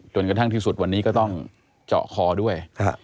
กระทั่งที่สุดวันนี้ก็ต้องเจาะคอด้วย